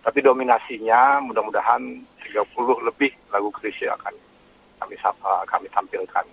tapi dominasinya mudah mudahan tiga puluh lebih lagu krisha akan kami tampilkan